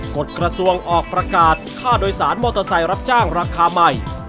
กฎกระทรวงออกประกาศค่าโดยสารมอเตอร์ไซค์รับจ้างราคาใหม่